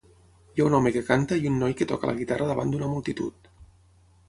Hi ha un home que canta i un noi que toca la guitarra davant d'una multitud.